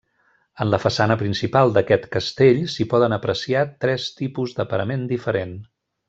En la façana principal d'aquest castell s'hi poden apreciar tres tipus de parament diferent.